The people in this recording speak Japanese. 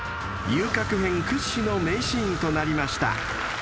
［『遊郭編』屈指の名シーンとなりました］